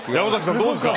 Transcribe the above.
どうですか？